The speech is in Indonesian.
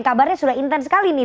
kabarnya sudah intens sekali nih